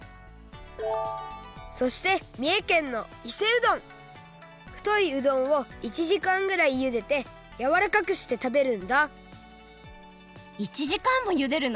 そしてみえけんのふというどんを１じかんぐらいゆでてやわらかくして食べるんだ１じかんもゆでるの？